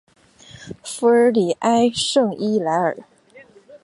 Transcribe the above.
弗尔里埃圣伊莱尔。